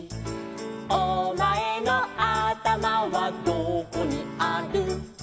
「お前のあたまはどこにある」